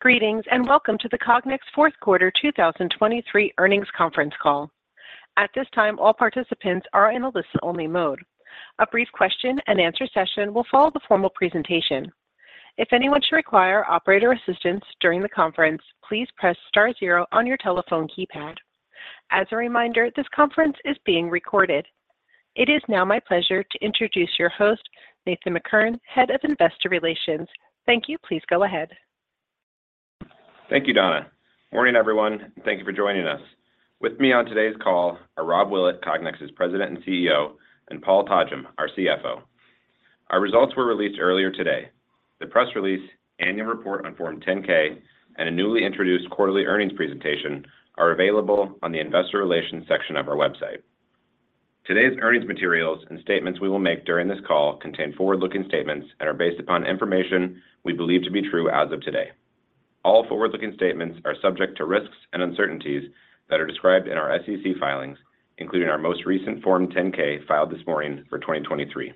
Greetings and welcome to the Cognex fourth quarter 2023 earnings conference call. At this time, all participants are in a listen-only mode. A brief question-and-answer session will follow the formal presentation. If anyone should require operator assistance during the conference, please press star zero on your telephone keypad. As a reminder, this conference is being recorded. It is now my pleasure to introduce your host, Nathan McCurren, head of investor relations. Thank you. Please go ahead. Thank you, Donna. Morning, everyone, and thank you for joining us. With me on today's call are Rob Willett, Cognex's President and CEO, and Paul Todgham, our CFO. Our results were released earlier today. The press release, annual report on Form 10-K, and a newly introduced quarterly earnings presentation are available on the investor relations section of our website. Today's earnings materials and statements we will make during this call contain forward-looking statements and are based upon information we believe to be true as of today. All forward-looking statements are subject to risks and uncertainties that are described in our SEC filings, including our most recent Form 10-K filed this morning for 2023.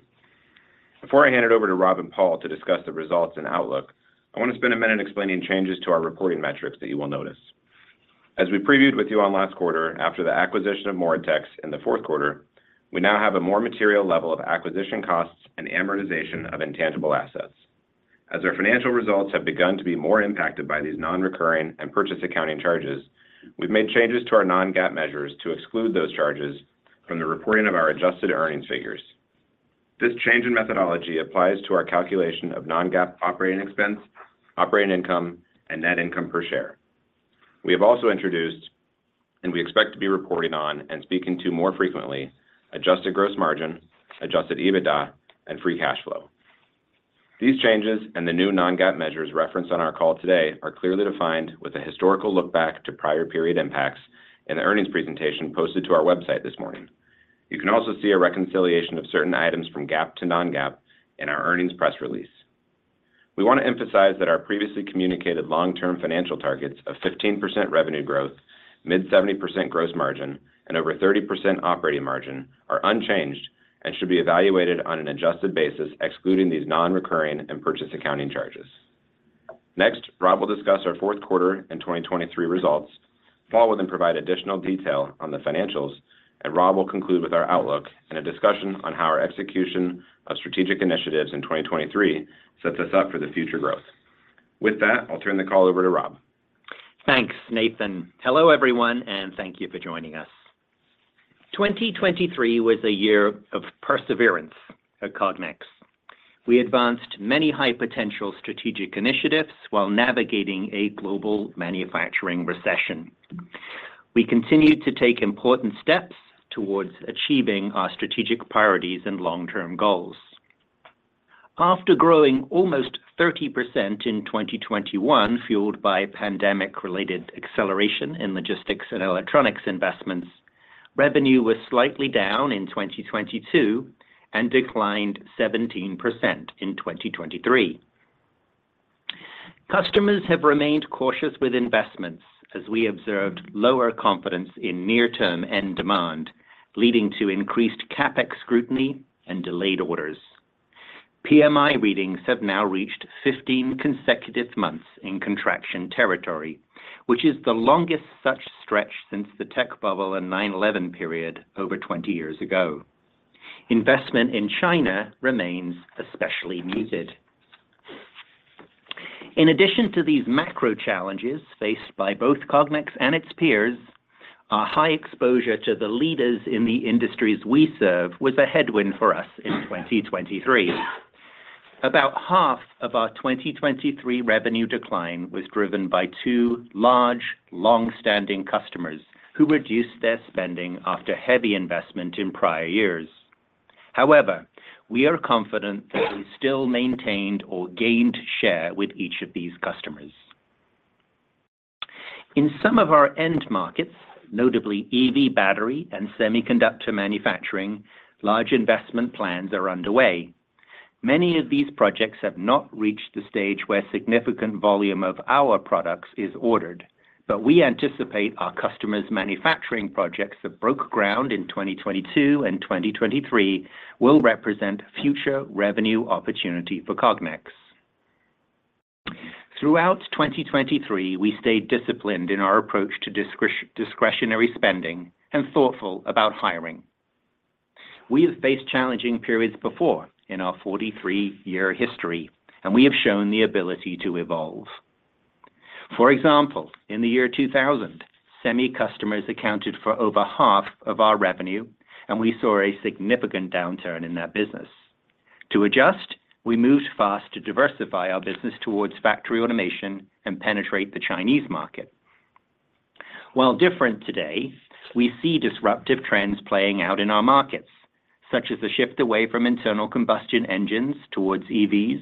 Before I hand it over to Rob and Paul to discuss the results and outlook, I want to spend a minute explaining changes to our reporting metrics that you will notice. As we previewed with you on last quarter, after the acquisition of Moritex in the fourth quarter, we now have a more material level of acquisition costs and amortization of intangible assets. As our financial results have begun to be more impacted by these non-recurring and purchase accounting charges, we've made changes to our non-GAAP measures to exclude those charges from the reporting of our adjusted earnings figures. This change in methodology applies to our calculation of non-GAAP operating expense, operating income, and net income per share. We have also introduced, and we expect to be reporting on and speaking to more frequently, adjusted gross margin, adjusted EBITDA, and free cash flow. These changes and the new non-GAAP measures referenced on our call today are clearly defined with a historical lookback to prior period impacts in the earnings presentation posted to our website this morning. You can also see a reconciliation of certain items from GAAP to non-GAAP in our earnings press release. We want to emphasize that our previously communicated long-term financial targets of 15% revenue growth, mid-70% gross margin, and over 30% operating margin are unchanged and should be evaluated on an adjusted basis excluding these non-recurring and purchase accounting charges. Next, Rob will discuss our fourth quarter and 2023 results, follow with and provide additional detail on the financials, and Rob will conclude with our outlook and a discussion on how our execution of strategic initiatives in 2023 sets us up for the future growth. With that, I'll turn the call over to Rob. Thanks, Nathan. Hello, everyone, and thank you for joining us. 2023 was a year of perseverance at Cognex. We advanced many high-potential strategic initiatives while navigating a global manufacturing recession. We continued to take important steps towards achieving our strategic priorities and long-term goals. After growing almost 30% in 2021 fueled by pandemic-related acceleration in logistics and electronics investments, revenue was slightly down in 2022 and declined 17% in 2023. Customers have remained cautious with investments as we observed lower confidence in near-term end demand, leading to increased CAPEX scrutiny and delayed orders. PMI readings have now reached 15 consecutive months in contraction territory, which is the longest such stretch since the tech bubble and 9/11 period over 20 years ago. Investment in China remains especially muted. In addition to these macro challenges faced by both Cognex and its peers, our high exposure to the leaders in the industries we serve was a headwind for us in 2023. About half of our 2023 revenue decline was driven by two large, long-standing customers who reduced their spending after heavy investment in prior years. However, we are confident that we still maintained or gained share with each of these customers. In some of our end markets, notably EV battery and semiconductor manufacturing, large investment plans are underway. Many of these projects have not reached the stage where significant volume of our products is ordered, but we anticipate our customers' manufacturing projects that broke ground in 2022 and 2023 will represent future revenue opportunity for Cognex. Throughout 2023, we stayed disciplined in our approach to discretionary spending and thoughtful about hiring. We have faced challenging periods before in our 43-year history, and we have shown the ability to evolve. For example, in the year 2000, semi-customers accounted for over half of our revenue, and we saw a significant downturn in that business. To adjust, we moved fast to diversify our business towards factory automation and penetrate the Chinese market. While different today, we see disruptive trends playing out in our markets, such as the shift away from internal combustion engines towards EVs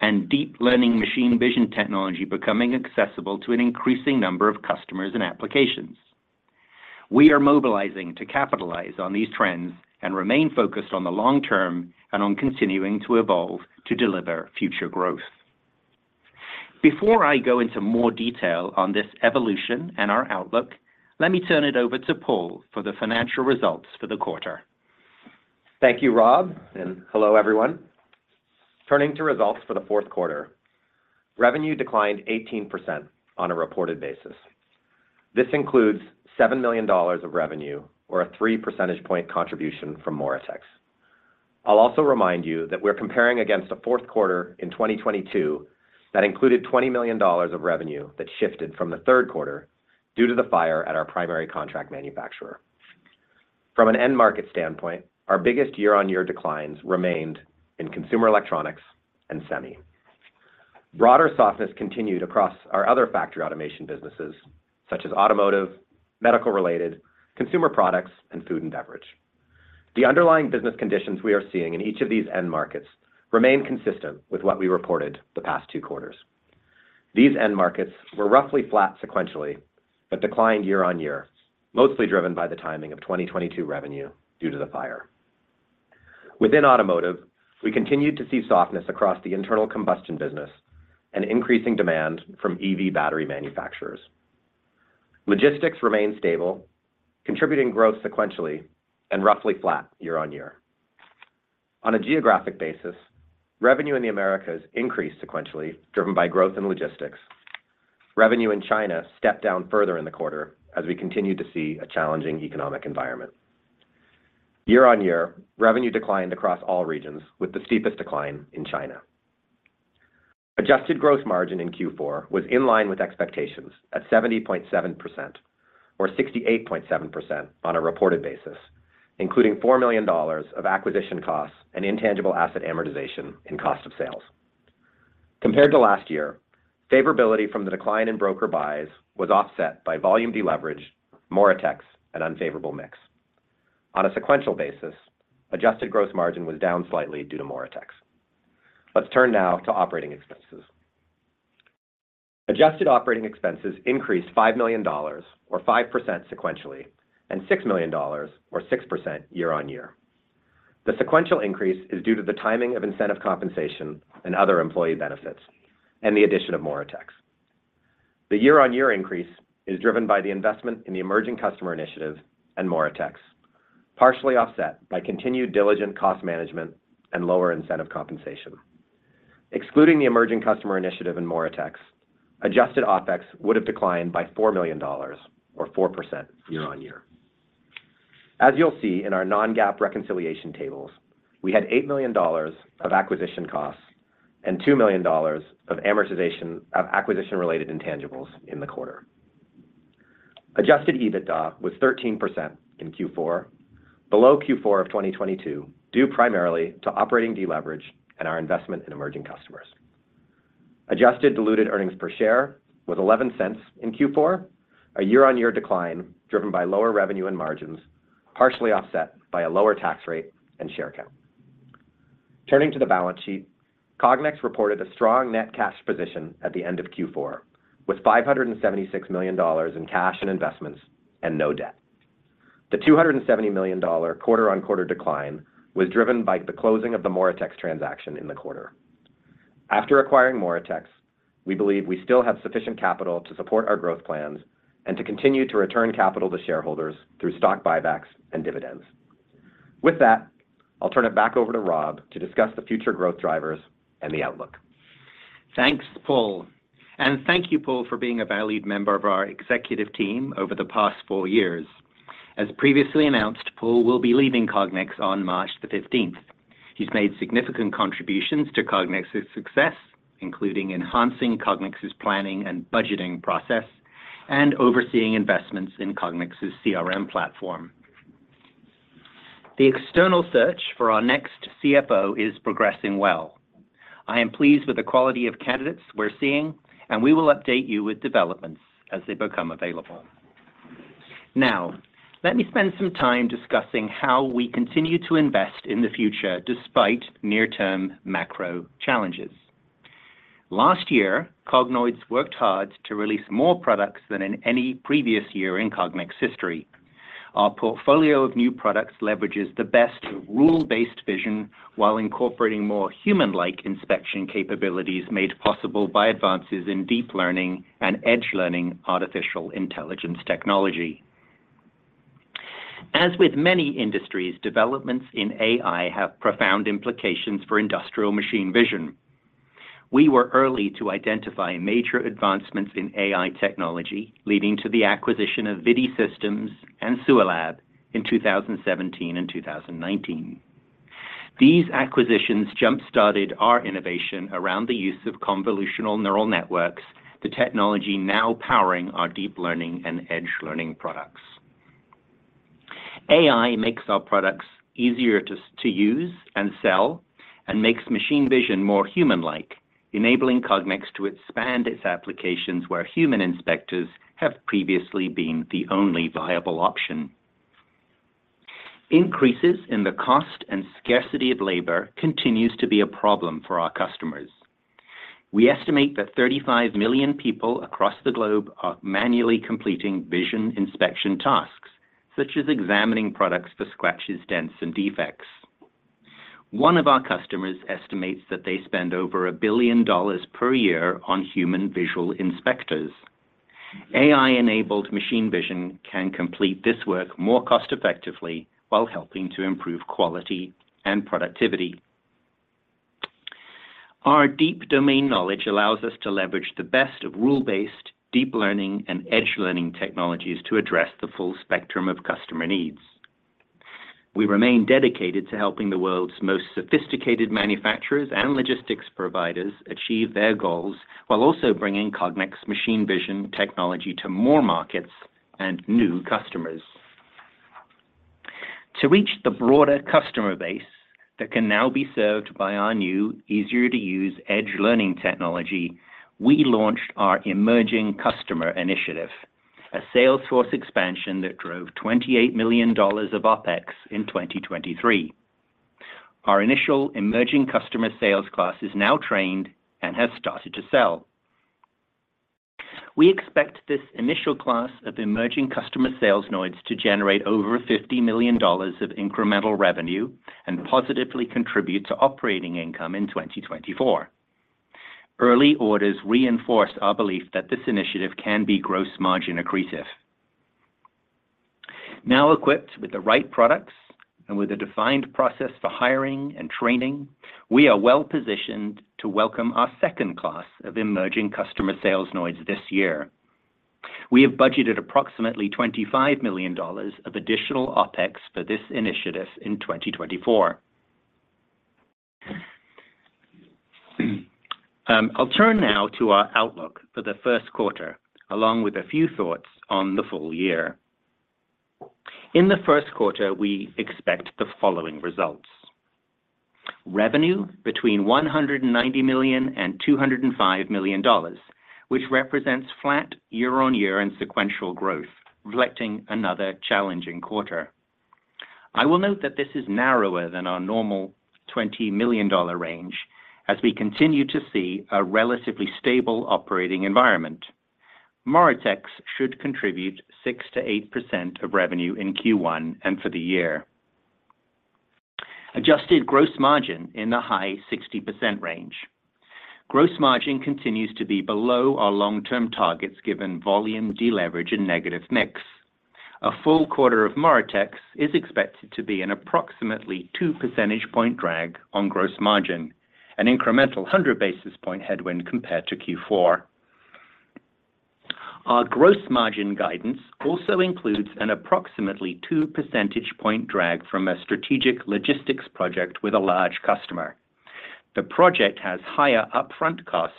and deep learning machine vision technology becoming accessible to an increasing number of customers and applications. We are mobilizing to capitalize on these trends and remain focused on the long term and on continuing to evolve to deliver future growth. Before I go into more detail on this evolution and our outlook, let me turn it over to Paul for the financial results for the quarter. Thank you, Rob, and hello, everyone. Turning to results for the fourth quarter. Revenue declined 18% on a reported basis. This includes $7 million of revenue or a 3 percentage point contribution from Moritex. I'll also remind you that we're comparing against a fourth quarter in 2022 that included $20 million of revenue that shifted from the third quarter due to the fire at our primary contract manufacturer. From an end market standpoint, our biggest year-on-year declines remained in consumer electronics and semi. Broader softness continued across our other factory automation businesses, such as automotive, medical-related, consumer products, and food and beverage. The underlying business conditions we are seeing in each of these end markets remain consistent with what we reported the past two quarters. These end markets were roughly flat sequentially but declined year-on-year, mostly driven by the timing of 2022 revenue due to the fire. Within automotive, we continued to see softness across the internal combustion business and increasing demand from EV battery manufacturers. Logistics remained stable, contributing growth sequentially and roughly flat year-over-year. On a geographic basis, revenue in the Americas increased sequentially driven by growth in logistics. Revenue in China stepped down further in the quarter as we continued to see a challenging economic environment. Year-over-year, revenue declined across all regions, with the steepest decline in China. Adjusted gross margin in Q4 was in line with expectations at 70.7% or 68.7% on a reported basis, including $4 million of acquisition costs and intangible asset amortization in cost of sales. Compared to last year, favorability from the decline in broker buys was offset by volume deleverage, Moritex, and unfavorable mix. On a sequential basis, adjusted gross margin was down slightly due to Moritex. Let's turn now to operating expenses. Adjusted operating expenses increased $5 million or 5% sequentially and $6 million or 6% year-on-year. The sequential increase is due to the timing of incentive compensation and other employee benefits and the addition of Moritex. The year-on-year increase is driven by the investment in the emerging customer initiative and Moritex, partially offset by continued diligent cost management and lower incentive compensation. Excluding the emerging customer initiative and Moritex, adjusted OpEx would have declined by $4 million or 4% year-on-year. As you'll see in our non-GAAP reconciliation tables, we had $8 million of acquisition costs and $2 million of acquisition-related intangibles in the quarter. Adjusted EBITDA was 13% in Q4, below Q4 of 2022 due primarily to operating deleverage and our investment in emerging customers. Adjusted diluted earnings per share was $0.11 in Q4, a year-on-year decline driven by lower revenue and margins, partially offset by a lower tax rate and share count. Turning to the balance sheet, Cognex reported a strong net cash position at the end of Q4 with $576 million in cash and investments and no debt. The $270 million quarter-on-quarter decline was driven by the closing of the Moritex transaction in the quarter. After acquiring Moritex, we believe we still have sufficient capital to support our growth plans and to continue to return capital to shareholders through stock buybacks and dividends. With that, I'll turn it back over to Rob to discuss the future growth drivers and the outlook. Thanks, Paul. And thank you, Paul, for being a valued member of our executive team over the past four years. As previously announced, Paul will be leaving Cognex on March 15. He's made significant contributions to Cognex's success, including enhancing Cognex's planning and budgeting process and overseeing investments in Cognex's CRM platform. The external search for our next CFO is progressing well. I am pleased with the quality of candidates we're seeing, and we will update you with developments as they become available. Now, let me spend some time discussing how we continue to invest in the future despite near-term macro challenges. Last year, Cognex worked hard to release more products than in any previous year in Cognex's history. Our portfolio of new products leverages the best of rule-based vision while incorporating more human-like inspection capabilities made possible by advances in deep learning and edge learning artificial intelligence technology. As with many industries, developments in AI have profound implications for industrial machine vision. We were early to identify major advancements in AI technology, leading to the acquisition of ViDi Systems and Sualab in 2017 and 2019. These acquisitions jump-started our innovation around the use of Convolutional Neural Networks, the technology now powering our Deep Learning and Edge Learning products. AI makes our products easier to use and sell and makes machine vision more human-like, enabling Cognex to expand its applications where human inspectors have previously been the only viable option. Increases in the cost and scarcity of labor continue to be a problem for our customers. We estimate that 35 million people across the globe are manually completing vision inspection tasks, such as examining products for scratches, dents, and defects. One of our customers estimates that they spend over $1 billion per year on human visual inspectors. AI-enabled machine vision can complete this work more cost-effectively while helping to improve quality and productivity. Our deep domain knowledge allows us to leverage the best of rule-based, deep learning, and edge learning technologies to address the full spectrum of customer needs. We remain dedicated to helping the world's most sophisticated manufacturers and logistics providers achieve their goals while also bringing Cognex's machine vision technology to more markets and new customers. To reach the broader customer base that can now be served by our new, easier-to-use edge learning technology, we launched our emerging customer initiative, a sales force expansion that drove $28 million of OpEx in 2023. Our initial emerging customer sales class is now trained and has started to sell. We expect this initial class of emerging customer sales noids to generate over $50 million of incremental revenue and positively contribute to operating income in 2024. Early orders reinforce our belief that this initiative can be gross margin accretive. Now equipped with the right products and with a defined process for hiring and training, we are well positioned to welcome our second class of emerging customer sales noids this year. We have budgeted approximately $25 million of additional OpEx for this initiative in 2024. I'll turn now to our outlook for the first quarter, along with a few thoughts on the full year. In the first quarter, we expect the following results: revenue between $190 million and $205 million, which represents flat year-on-year and sequential growth, reflecting another challenging quarter. I will note that this is narrower than our normal $20 million range as we continue to see a relatively stable operating environment. Moritex should contribute 6%-8% of revenue in Q1 and for the year. Adjusted gross margin in the high 60% range. Gross margin continues to be below our long-term targets given volume deleverage and negative mix. A full quarter of Moritex is expected to be an approximately 2 percentage point drag on gross margin, an incremental 100 basis point headwind compared to Q4. Our gross margin guidance also includes an approximately 2 percentage point drag from a strategic logistics project with a large customer. The project has higher upfront cost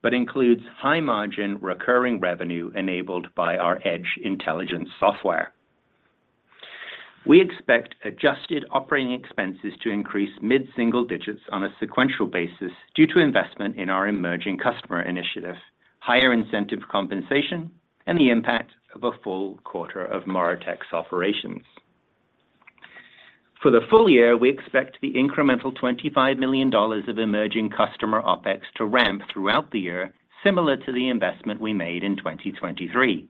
but includes high margin recurring revenue enabled by our Edge Intelligence software. We expect adjusted operating expenses to increase mid-single digits on a sequential basis due to investment in our emerging customer initiative, higher incentive compensation, and the impact of a full quarter of Moritex operations. For the full year, we expect the incremental $25 million of emerging customer OPEX to ramp throughout the year, similar to the investment we made in 2023.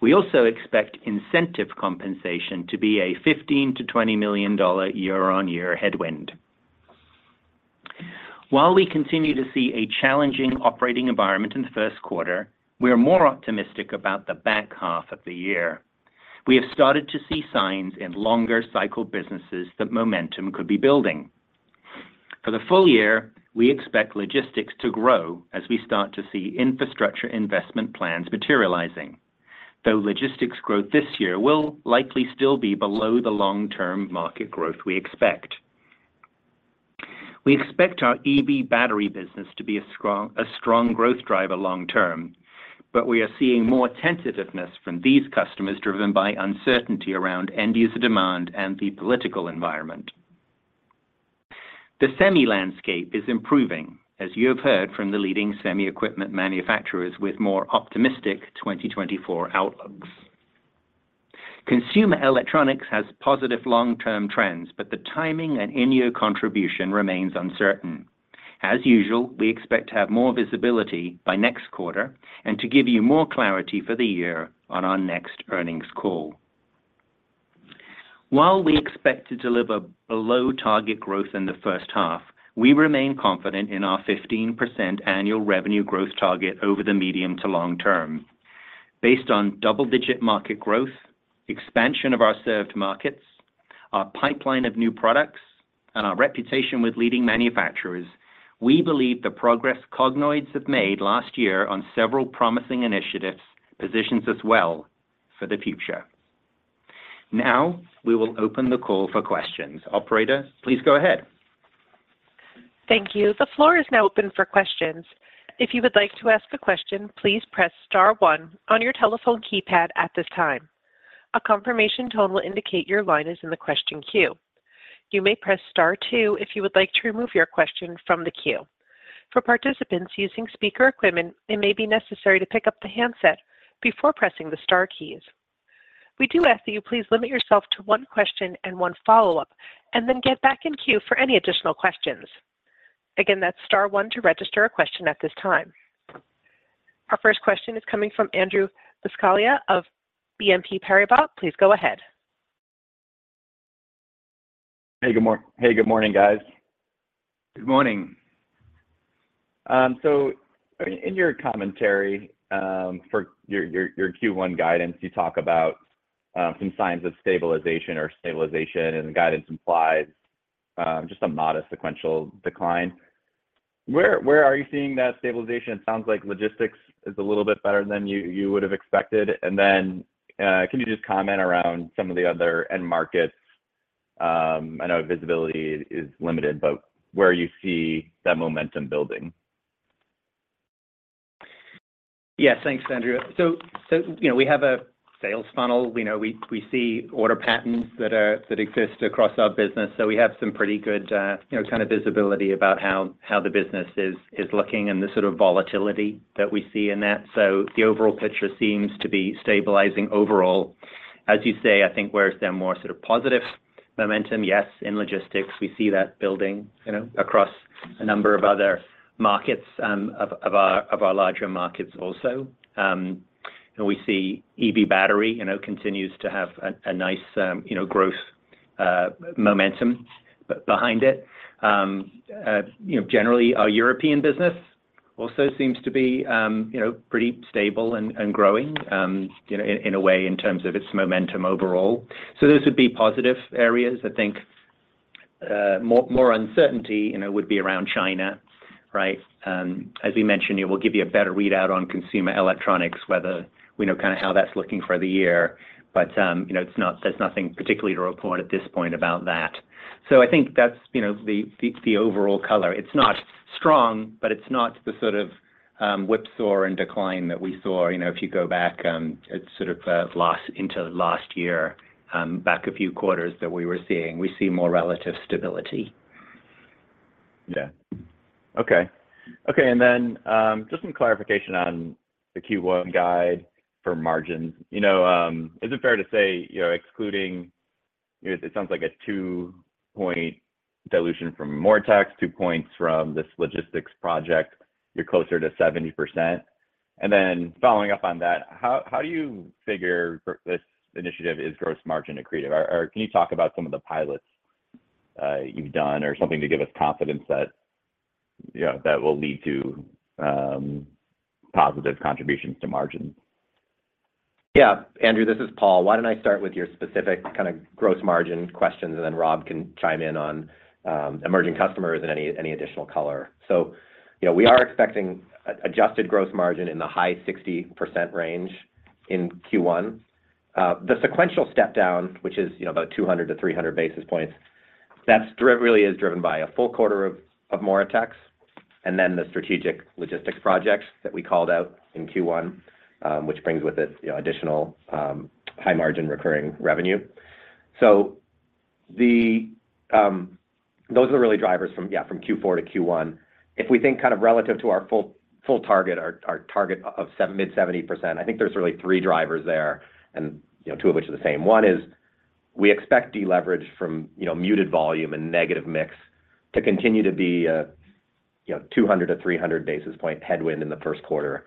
We also expect incentive compensation to be a $15 million-$20 million year-on-year headwind. While we continue to see a challenging operating environment in the first quarter, we're more optimistic about the back half of the year. We have started to see signs in longer-cycle businesses that momentum could be building. For the full year, we expect logistics to grow as we start to see infrastructure investment plans materializing, though logistics growth this year will likely still be below the long-term market growth we expect. We expect our EV battery business to be a strong growth driver long term, but we are seeing more tentativeness from these customers driven by uncertainty around end-user demand and the political environment. The semi landscape is improving, as you have heard from the leading semi-equipment manufacturers with more optimistic 2024 outlooks. Consumer electronics has positive long-term trends, but the timing and in-year contribution remains uncertain. As usual, we expect to have more visibility by next quarter and to give you more clarity for the year on our next earnings call. While we expect to deliver below-target growth in the first half, we remain confident in our 15% annual revenue growth target over the medium to long term. Based on double-digit market growth, expansion of our served markets, our pipeline of new products, and our reputation with leading manufacturers, we believe the progress Cognex have made last year on several promising initiatives positions us well for the future. Now we will open the call for questions. Operator, please go ahead. Thank you. The floor is now open for questions. If you would like to ask a question, please press star one on your telephone keypad at this time. A confirmation tone will indicate your line is in the question queue. You may press star two if you would like to remove your question from the queue. For participants using speaker equipment, it may be necessary to pick up the handset before pressing the star keys. We do ask that you please limit yourself to one question and one follow-up, and then get back in queue for any additional questions. Again, that's star 1 to register a question at this time. Our first question is coming from Andrew Buscaglia of BNP Paribas. Please go ahead. Hey, good morning. Hey, good morning, guys. Good morning. So in your commentary for your Q1 guidance, you talk about some signs of stabilization or stabilization, and the guidance implies just a modest sequential decline. Where are you seeing that stabilization? It sounds like logistics is a little bit better than you would have expected. And then can you just comment around some of the other end markets? I know visibility is limited, but where you see that momentum building. Yeah, thanks, Andrew. So we have a sales funnel. We see order patterns that exist across our business. So we have some pretty good kind of visibility about how the business is looking and the sort of volatility that we see in that. So the overall picture seems to be stabilizing overall. As you say, I think where is there more sort of positive momentum? Yes, in logistics, we see that building across a number of other markets of our larger markets also. And we see EV battery continues to have a nice growth momentum behind it. Generally, our European business also seems to be pretty stable and growing in a way in terms of its momentum overall. So those would be positive areas. I think more uncertainty would be around China, right? As we mentioned, it will give you a better readout on consumer electronics, kind of how that's looking for the year. But there's nothing particularly to report at this point about that. So I think that's the overall color. It's not strong, but it's not the sort of whipsaw and decline that we saw if you go back sort of into last year, back a few quarters that we were seeing. We see more relative stability. Just some clarification on the Q1 guide for margins. Is it fair to say, excluding it sounds like a 2-point dilution from Moritex, 2 points from this logistics project, you're closer to 70%? And then following up on that, how do you figure this initiative is gross margin accretive? Or can you talk about some of the pilots you've done or something to give us confidence that will lead to positive contributions to margins? Yeah, Andrew. This is Paul. Why don't I start with your specific kind of gross margin questions, and then Rob can chime in on emerging customers and any additional color? So we are expecting adjusted gross margin in the high 60% range in Q1. The sequential stepdown, which is about 200-300 basis points, that really is driven by a full quarter of Moritex and then the strategic logistics projects that we called out in Q1, which brings with it additional high-margin recurring revenue. So those are the really drivers, yeah, from Q4 to Q1. If we think kind of relative to our full target, our target of mid-70%, I think there's really three drivers there, and two of which are the same. One is we expect deleverage from muted volume and negative mix to continue to be a 200-300 basis point headwind in the first quarter.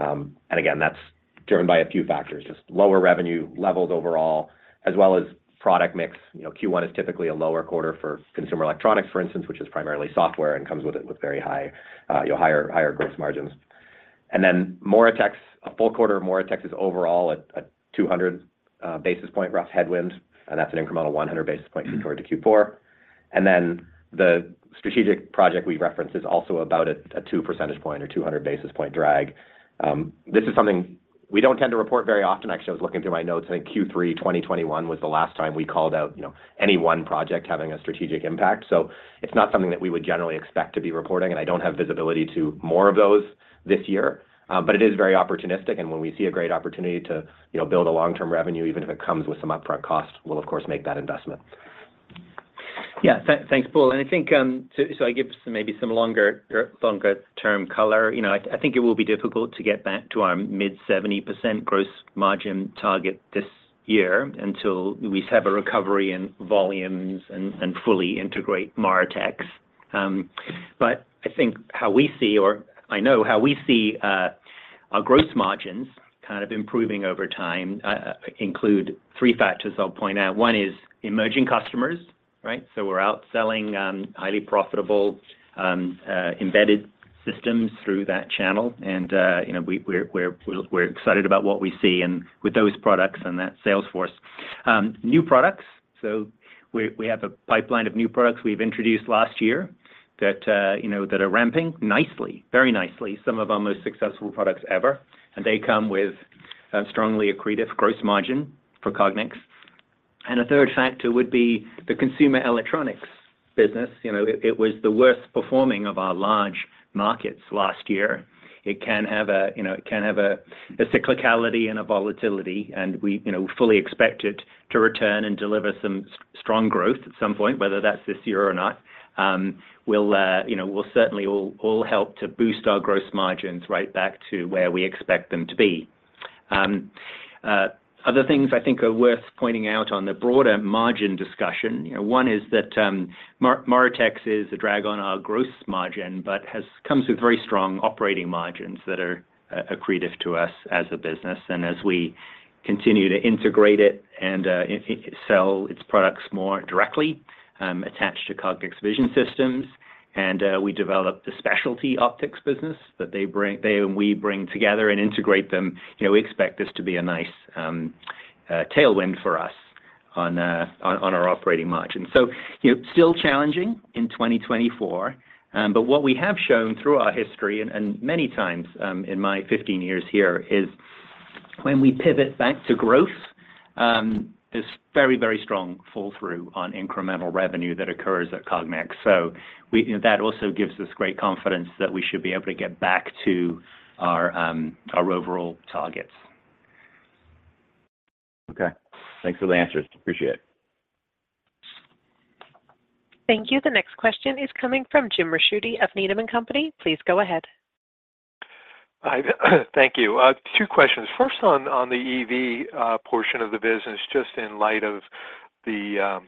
And again, that's driven by a few factors, just lower revenue levels overall, as well as product mix. Q1 is typically a lower quarter for consumer electronics, for instance, which is primarily software and comes with very higher gross margins. And then Moritex, a full quarter of Moritex is overall a 200 basis point rough headwind, and that's an incremental 100 basis point Q4 to Q4. And then the strategic project we reference is also about a 2 percentage point or 200 basis point drag. This is something we don't tend to report very often. Actually, I was looking through my notes. I think Q3 2021 was the last time we called out any one project having a strategic impact. So it's not something that we would generally expect to be reporting, and I don't have visibility to more of those this year. But it is very opportunistic, and when we see a great opportunity to build a long-term revenue, even if it comes with some upfront cost, we'll, of course, make that investment. Yeah, thanks, Paul. And I think so I give maybe some longer-term color. I think it will be difficult to get back to our mid-70% gross margin target this year until we have a recovery in volumes and fully integrate Moritex. But I think how we see or I know how we see our gross margins kind of improving over time include three factors I'll point out. One is emerging customers, right? So we're outselling highly profitable embedded systems through that channel, and we're excited about what we see with those products and that sales force. New products. So we have a pipeline of new products we've introduced last year that are ramping nicely, very nicely, some of our most successful products ever. And they come with strongly accretive gross margin for Cognex. And a third factor would be the consumer electronics business. It was the worst performing of our large markets last year. It can have a cyclicality and a volatility, and we fully expect it to return and deliver some strong growth at some point, whether that's this year or not. We'll certainly all help to boost our gross margins right back to where we expect them to be. Other things I think are worth pointing out on the broader margin discussion. One is that Moritex is a drag on our gross margin but comes with very strong operating margins that are accretive to us as a business. And as we continue to integrate it and sell its products more directly attached to Cognex Vision Systems, and we develop the specialty optics business that they and we bring together and integrate them, we expect this to be a nice tailwind for us on our operating margin. Still challenging in 2024. What we have shown through our history and many times in my 15 years here is when we pivot back to growth, there's very, very strong fall-through on incremental revenue that occurs at Cognex. That also gives us great confidence that we should be able to get back to our overall targets. Okay. Thanks for the answers. Appreciate it. Thank you. The next question is coming from Jim Ricchiuti of Needham & Company. Please go ahead. Thank you. Two questions. First, on the EV portion of the business, just in light of the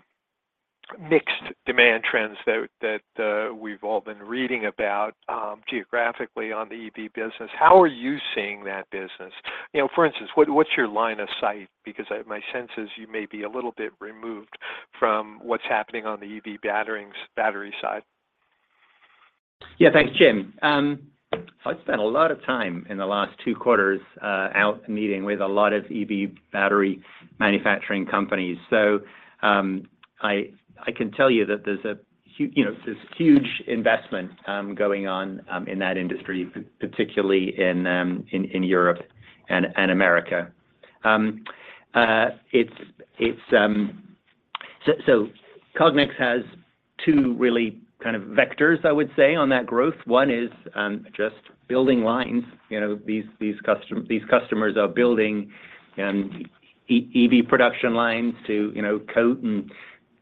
mixed demand trends that we've all been reading about geographically on the EV business, how are you seeing that business? For instance, what's your line of sight? Because my sense is you may be a little bit removed from what's happening on the EV battery side. Yeah, thanks, Jim. So I've spent a lot of time in the last two quarters out meeting with a lot of EV battery manufacturing companies. So I can tell you that there's a huge investment going on in that industry, particularly in Europe and America. So Cognex has two really kind of vectors, I would say, on that growth. One is just building lines. These customers are building EV production lines to coat and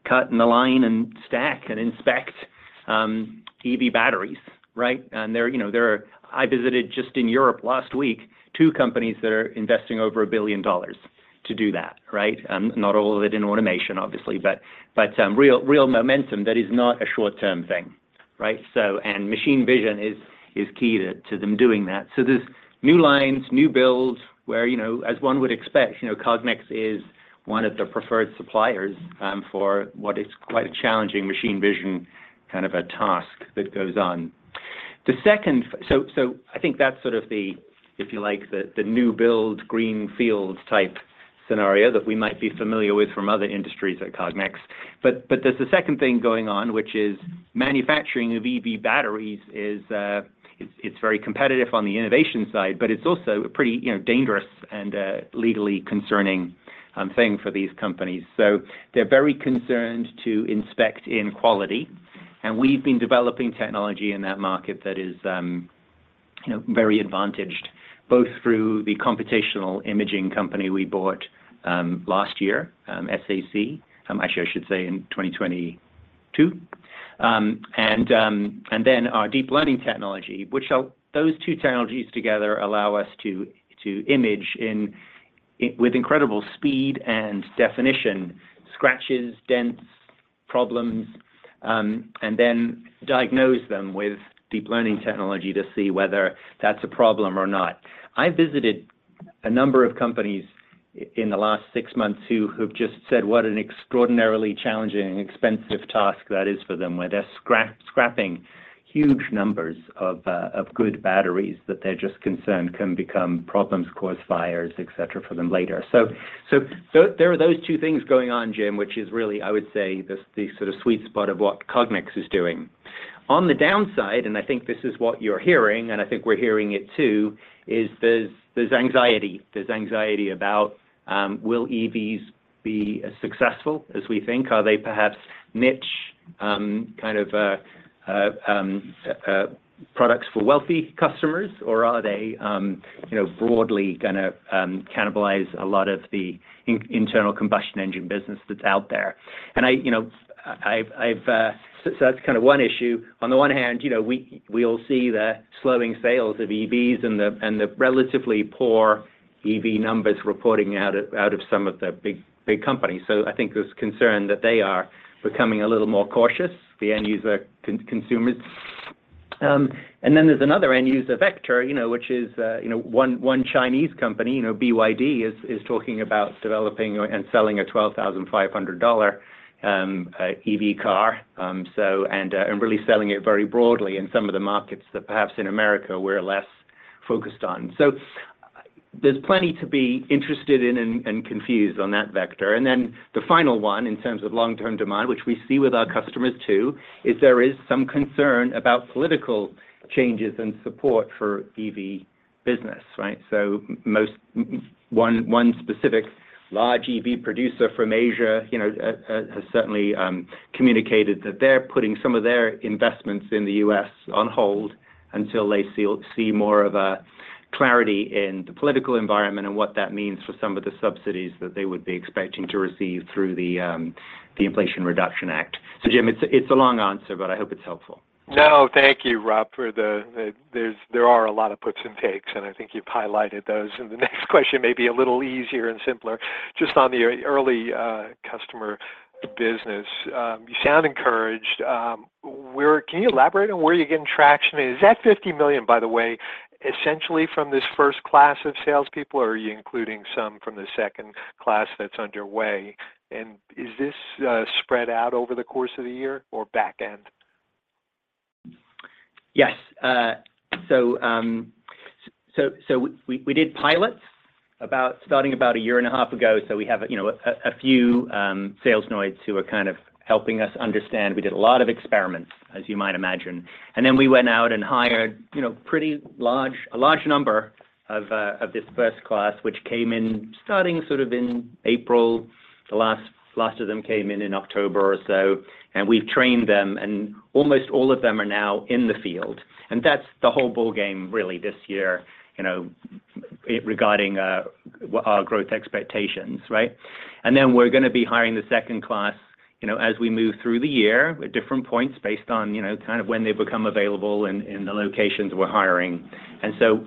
cut and align and stack and inspect EV batteries, right? And there are I visited just in Europe last week two companies that are investing over $1 billion to do that, right? Not all of it in automation, obviously, but real momentum that is not a short-term thing, right? And machine vision is key to them doing that. So there's new lines, new builds where, as one would expect, Cognex is one of the preferred suppliers for what is quite a challenging machine vision kind of a task that goes on. So I think that's sort of the, if you like, the new build greenfield type scenario that we might be familiar with from other industries at Cognex. But there's a second thing going on, which is manufacturing of EV batteries. It's very competitive on the innovation side, but it's also a pretty dangerous and legally concerning thing for these companies. So they're very concerned to inspect in quality. And we've been developing technology in that market that is very advantaged, both through the computational imaging company we bought last year, SAC, actually, I should say in 2022. And then our Deep Learning technology, which those two technologies together allow us to image with incredible speed and definition, scratches, dents, problems, and then diagnose them with Deep Learning technology to see whether that's a problem or not. I visited a number of companies in the last six months who have just said, "What an extraordinarily challenging and expensive task that is for them," where they're scrapping huge numbers of good batteries that they're just concerned can become problems, cause fires, etc., for them later. So there are those two things going on, Jim, which is really, I would say, the sort of sweet spot of what Cognex is doing. On the downside, and I think this is what you're hearing, and I think we're hearing it too, is there's anxiety. There's anxiety about, will EVs be successful as we think? Are they perhaps niche kind of products for wealthy customers, or are they broadly going to cannibalize a lot of the internal combustion engine business that's out there? And I've so that's kind of one issue. On the one hand, we all see the slowing sales of EVs and the relatively poor EV numbers reporting out of some of the big companies. So I think there's concern that they are becoming a little more cautious, the end-user consumers. And then there's another end-user vector, which is one Chinese company, BYD, is talking about developing and selling a $12,500 EV car and really selling it very broadly in some of the markets that perhaps in America we're less focused on. So there's plenty to be interested in and confused on that vector. And then the final one in terms of long-term demand, which we see with our customers too, is there is some concern about political changes and support for EV business, right? So one specific large EV producer from Asia has certainly communicated that they're putting some of their investments in the U.S. on hold until they see more of a clarity in the political environment and what that means for some of the subsidies that they would be expecting to receive through the Inflation Reduction Act. So, Jim, it's a long answer, but I hope it's helpful. No, thank you, Rob, for that. There are a lot of puts and takes, and I think you've highlighted those. The next question may be a little easier and simpler. Just on the early customer business, you sound encouraged. Can you elaborate on where you're getting traction? Is that $50 million, by the way, essentially from this first class of salespeople, or are you including some from the second class that's underway? And is this spread out over the course of the year or backend? Yes. So we did pilots starting about a year and a half ago. So we have a few sales noids who are kind of helping us understand. We did a lot of experiments, as you might imagine. And then we went out and hired a large number of this first class, which came in starting sort of in April. The last of them came in in October or so. And we've trained them, and almost all of them are now in the field. And that's the whole ball game, really, this year regarding our growth expectations, right? And then we're going to be hiring the second class as we move through the year at different points based on kind of when they become available in the locations we're hiring. So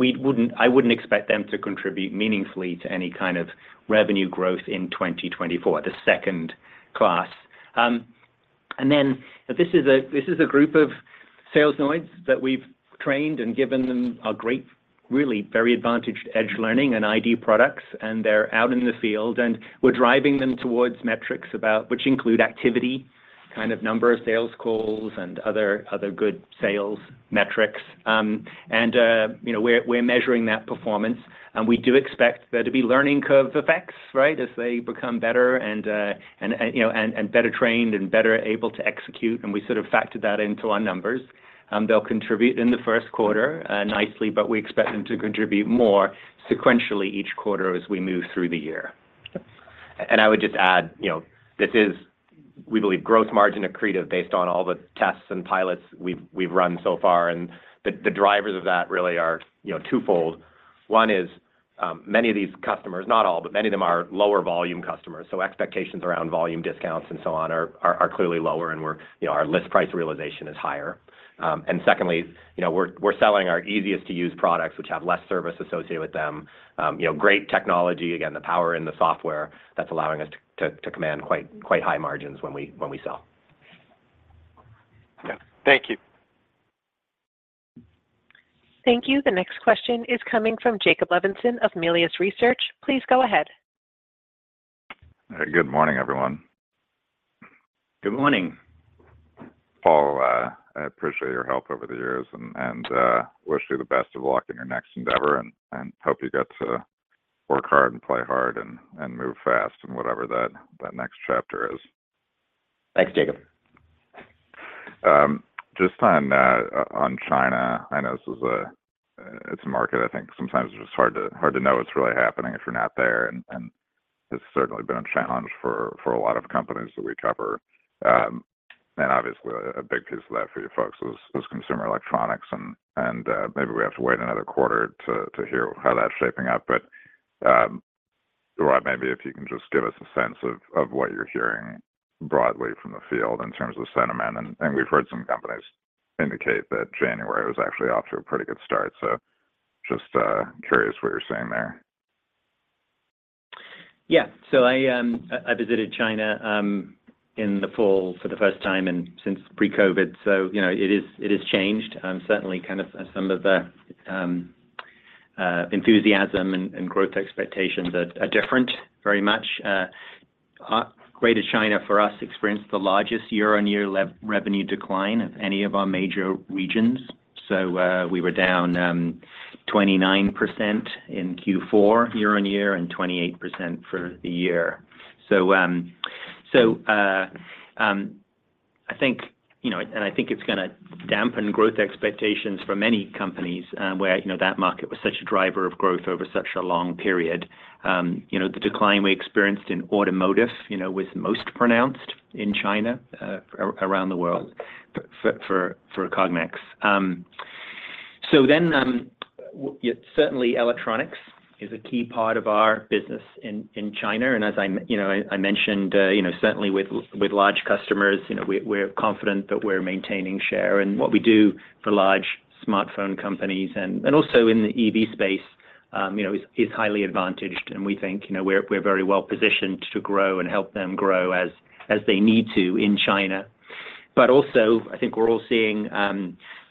I wouldn't expect them to contribute meaningfully to any kind of revenue growth in 2024, the second class. Then this is a group of sales noids that we've trained and given them our great, really very advantaged Edge Learning and ID products, and they're out in the field. We're driving them towards metrics which include activity, kind of number of sales calls, and other good sales metrics. We're measuring that performance. We do expect there to be learning curve effects, right, as they become better and better trained and better able to execute. We sort of factored that into our numbers. They'll contribute in the first quarter nicely, but we expect them to contribute more sequentially each quarter as we move through the year. And I would just add, this is, we believe, growth margin accretive based on all the tests and pilots we've run so far. And the drivers of that really are twofold. One is many of these customers, not all, but many of them are lower volume customers. So expectations around volume discounts and so on are clearly lower, and our list price realization is higher. And secondly, we're selling our easiest-to-use products, which have less service associated with them. Great technology, again, the power in the software that's allowing us to command quite high margins when we sell. Yeah. Thank you. Thank you. The next question is coming from Jacob Levinson of Melius Research. Please go ahead. Good morning, everyone. Good morning, Paul. I appreciate your help over the years and wish you the best of luck in your next endeavor and hope you get to work hard and play hard and move fast in whatever that next chapter is. Thanks, Jacob. Just on China, I know this is a market, I think. Sometimes it's just hard to know what's really happening if you're not there. And it's certainly been a challenge for a lot of companies that we cover. And obviously, a big piece of that for you folks is consumer electronics. And maybe we have to wait another quarter to hear how that's shaping up. But, Rob, maybe if you can just give us a sense of what you're hearing broadly from the field in terms of sentiment. And we've heard some companies indicate that January was actually off to a pretty good start. So just curious what you're seeing there. Yeah. So I visited China in the fall for the first time since pre-COVID. So it has changed. Certainly, kind of some of the enthusiasm and growth expectations are different very much. Greater China, for us, experienced the largest year-on-year revenue decline of any of our major regions. So we were down 29% in Q4 year-on-year and 28% for the year. So I think and I think it's going to dampen growth expectations for many companies where that market was such a driver of growth over such a long period. The decline we experienced in automotive was most pronounced in China around the world for Cognex. So then certainly, electronics is a key part of our business in China. And as I mentioned, certainly with large customers, we're confident that we're maintaining share. And what we do for large smartphone companies and also in the EV space is highly advantaged. We think we're very well positioned to grow and help them grow as they need to in China. But also, I think we're all seeing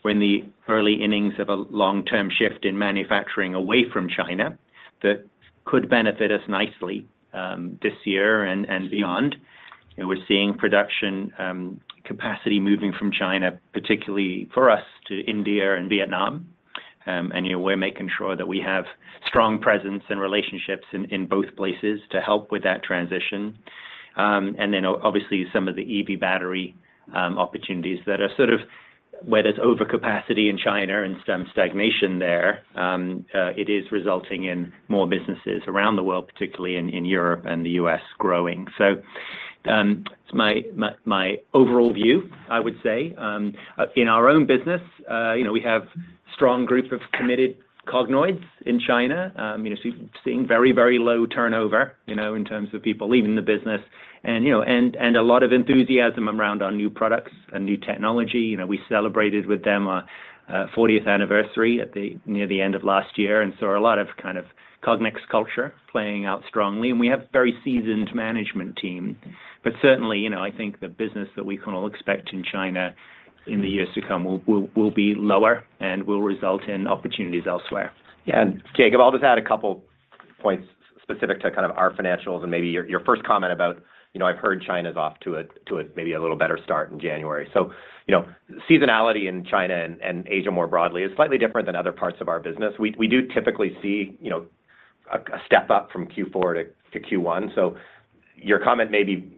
we're in the early innings of a long-term shift in manufacturing away from China that could benefit us nicely this year and beyond. We're seeing production capacity moving from China, particularly for us, to India and Vietnam. And we're making sure that we have strong presence and relationships in both places to help with that transition. And then obviously, some of the EV battery opportunities that are sort of where there's overcapacity in China and some stagnation there, it is resulting in more businesses around the world, particularly in Europe and the U.S., growing. So it's my overall view, I would say. In our own business, we have a strong group of committed Cognoids in China. So we've seen very, very low turnover in terms of people leaving the business and a lot of enthusiasm around our new products and new technology. We celebrated with them our 40th anniversary near the end of last year and saw a lot of kind of Cognex culture playing out strongly. And we have a very seasoned management team. But certainly, I think the business that we can all expect in China in the years to come will be lower and will result in opportunities elsewhere. Yeah. Jacob, I'll just add a couple points specific to kind of our financials and maybe your first comment about. I've heard China's off to a maybe a little better start in January. So seasonality in China and Asia more broadly is slightly different than other parts of our business. We do typically see a step up from Q4 to Q1. So your comment may be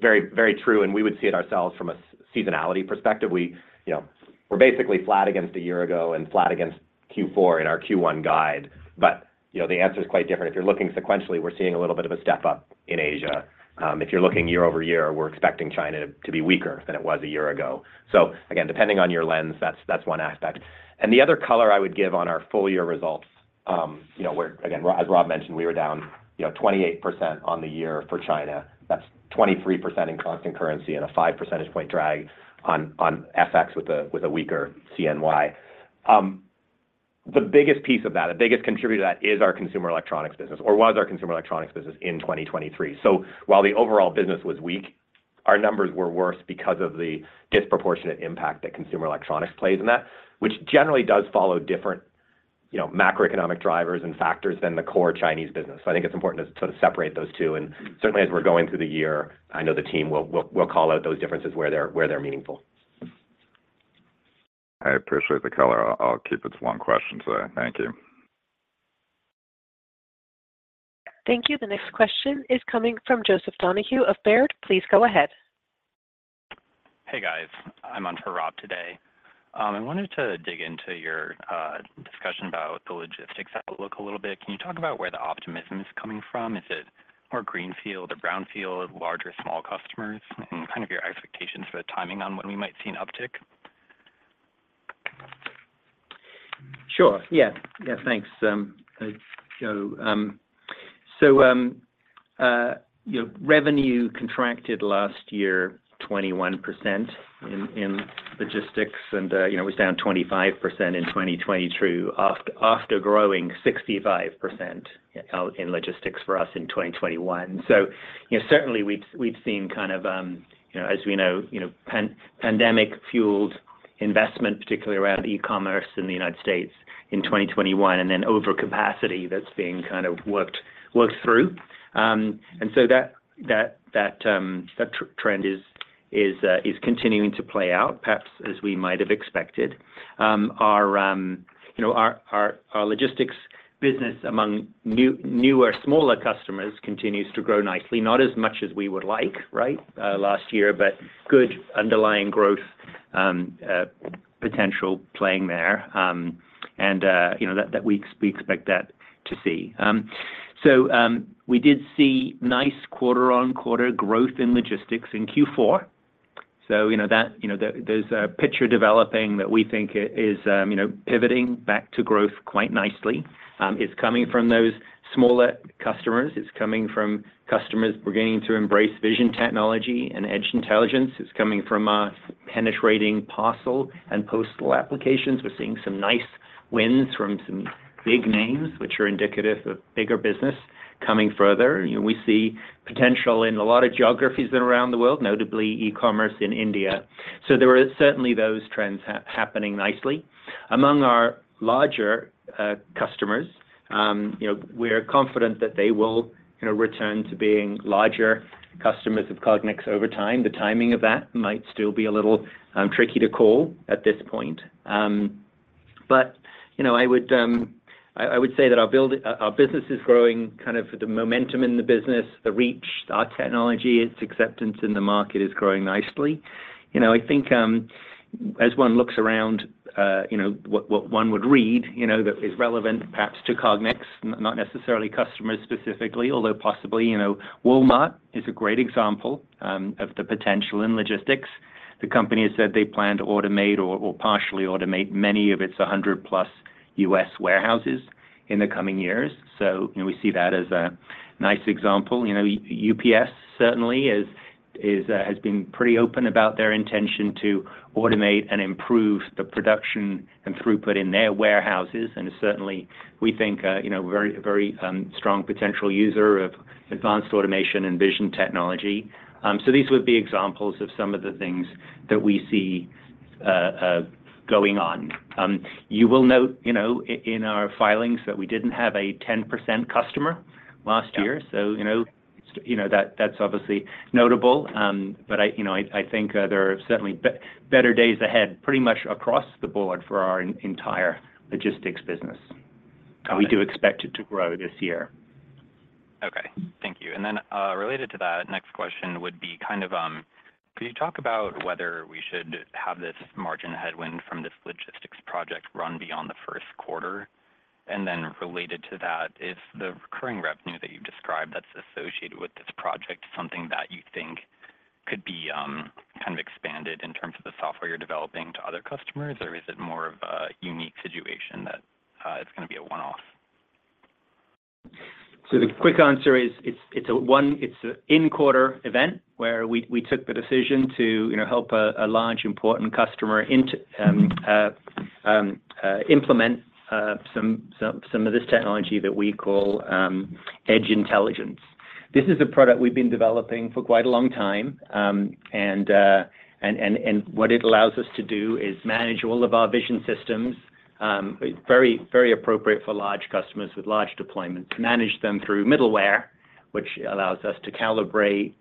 very, very true, and we would see it ourselves from a seasonality perspective. We're basically flat against a year ago and flat against Q4 in our Q1 guide. But the answer is quite different. If you're looking sequentially, we're seeing a little bit of a step up in Asia. If you're looking year-over-year, we're expecting China to be weaker than it was a year ago. So again, depending on your lens, that's one aspect. The other color I would give on our full-year results where, again, as Rob mentioned, we were down 28% on the year for China. That's 23% in constant currency and a 5 percentage point drag on FX with a weaker CNY. The biggest piece of that, the biggest contributor to that, is our consumer electronics business or was our consumer electronics business in 2023. So while the overall business was weak, our numbers were worse because of the disproportionate impact that consumer electronics plays in that, which generally does follow different macroeconomic drivers and factors than the core Chinese business. So I think it's important to sort of separate those two. And certainly, as we're going through the year, I know the team will call out those differences where they're meaningful. I appreciate the color. I'll keep it to one question today. Thank you. Thank you. The next question is coming from Joseph Donohue of Baird. Please go ahead. Hey, guys. I'm on for Rob today. I wanted to dig into your discussion about the logistics outlook a little bit. Can you talk about where the optimism is coming from? Is it more greenfield or brownfield, larger small customers, and kind of your expectations for the timing on when we might see an uptick? Sure. Yeah. Yeah. Thanks, Joe. So revenue contracted last year, 21% in logistics, and it was down 25% in 2020 after growing 65% in logistics for us in 2021. So certainly, we've seen kind of, as we know, pandemic-fueled investment, particularly around e-commerce in the United States in 2021, and then overcapacity that's being kind of worked through. And so that trend is continuing to play out, perhaps as we might have expected. Our logistics business among newer, smaller customers continues to grow nicely, not as much as we would like, right, last year, but good underlying growth potential playing there. And we expect that to see. So we did see nice quarter-on-quarter growth in logistics in Q4. So there's a picture developing that we think is pivoting back to growth quite nicely. It's coming from those smaller customers. It's coming from customers beginning to embrace vision technology and Edge Intelligence. It's coming from our penetrating parcel and postal applications. We're seeing some nice wins from some big names, which are indicative of bigger business coming further. We see potential in a lot of geographies around the world, notably e-commerce in India. So there were certainly those trends happening nicely. Among our larger customers, we're confident that they will return to being larger customers of Cognex over time. The timing of that might still be a little tricky to call at this point. But I would say that our business is growing kind of the momentum in the business, the reach, our technology, its acceptance in the market is growing nicely. I think as one looks around what one would read that is relevant, perhaps to Cognex, not necessarily customers specifically, although possibly Walmart is a great example of the potential in logistics. The company has said they plan to automate or partially automate many of its 100+ U.S. warehouses in the coming years. So we see that as a nice example. UPS, certainly, has been pretty open about their intention to automate and improve the production and throughput in their warehouses. And certainly, we think a very, very strong potential user of advanced automation and vision technology. So these would be examples of some of the things that we see going on. You will note in our filings that we didn't have a 10% customer last year. So that's obviously notable. But I think there are certainly better days ahead pretty much across the board for our entire logistics business. We do expect it to grow this year. Okay. Thank you. And then related to that, next question would be kind of could you talk about whether we should have this margin headwind from this logistics project run beyond the first quarter? And then related to that, is the recurring revenue that you've described that's associated with this project something that you think could be kind of expanded in terms of the software you're developing to other customers, or is it more of a unique situation that it's going to be a one-off? The quick answer is it's an in-quarter event where we took the decision to help a large, important customer implement some of this technology that we call Edge Intelligence. This is a product we've been developing for quite a long time. And what it allows us to do is manage all of our vision systems. It's very, very appropriate for large customers with large deployments, manage them through middleware, which allows us to calibrate,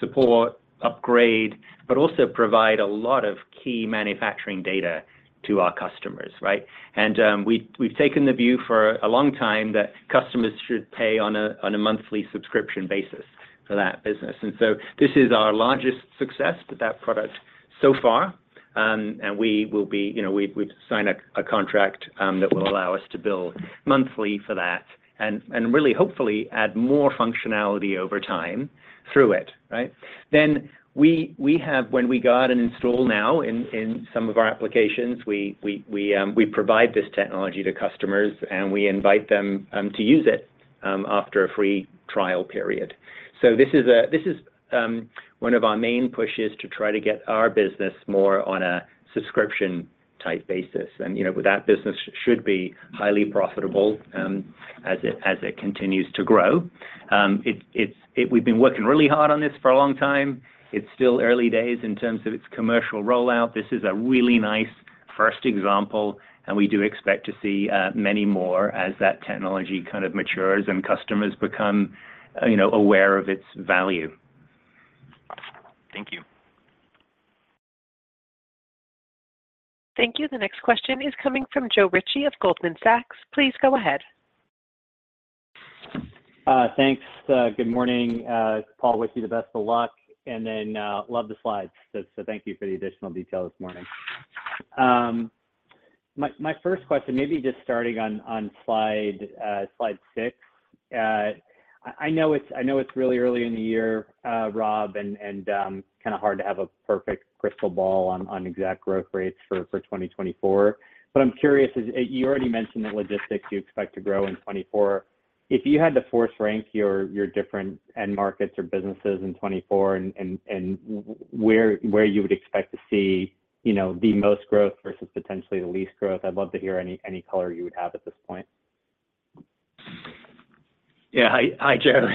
support, upgrade, but also provide a lot of key manufacturing data to our customers, right? And we've taken the view for a long time that customers should pay on a monthly subscription basis for that business. And so this is our largest success with that product so far. We've signed a contract that will allow us to bill monthly for that and really, hopefully, add more functionality over time through it, right? When we go out and install now in some of our applications, we provide this technology to customers, and we invite them to use it after a free trial period. So this is one of our main pushes to try to get our business more on a subscription-type basis. And that business should be highly profitable as it continues to grow. We've been working really hard on this for a long time. It's still early days in terms of its commercial rollout. This is a really nice first example. And we do expect to see many more as that technology kind of matures and customers become aware of its value. Thank you. Thank you. The next question is coming from Joe Ritchie of Goldman Sachs. Please go ahead. Thanks. Good morning, Paul. Wish you the best of luck. And then love the slides. So thank you for the additional detail this morning. My first question, maybe just starting on slide 6. I know it's really early in the year, Rob, and kind of hard to have a perfect crystal ball on exact growth rates for 2024. But I'm curious, you already mentioned that logistics you expect to grow in 2024. If you had to force rank your different end markets or businesses in 2024 and where you would expect to see the most growth versus potentially the least growth, I'd love to hear any color you would have at this point. Yeah. Hi, Joe.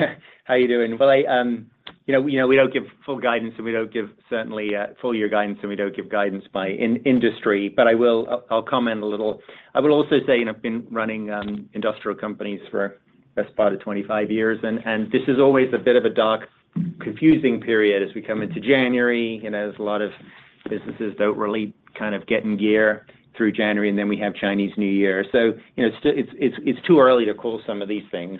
How are you doing? Well, we don't give full guidance, and we don't give certainly full-year guidance, and we don't give guidance by industry. I'll comment a little. I will also say I've been running industrial companies for the best part of 25 years. This is always a bit of a dark, confusing period as we come into January. There's a lot of businesses that don't really kind of get in gear through January, and then we have Chinese New Year. It's too early to call some of these things.